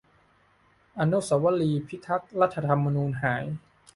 อนุสาวรีย์พิทักษ์รัฐธรรมนูญหาย